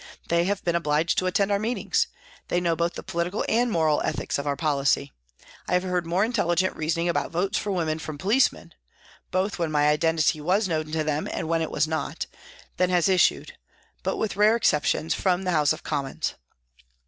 They have been obliged to attend our meetings. They know both the political and moral ethics of our policy. I have heard more intelligent reasoning about votes for women from policemen (both when my identity was known to them and when it was not) than has issued, with but rare exceptions, from the House of Commons.